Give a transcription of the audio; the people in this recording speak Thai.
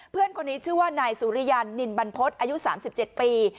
เพื่อนคนนี้ชื่อว่านายสุริยันนินบรรพฤษอายุ๓๗ปี